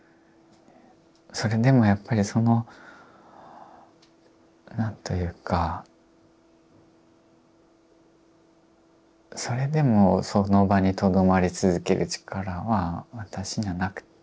それでもやっぱりその何というかそれでもその場にとどまり続ける力は私にはなくって。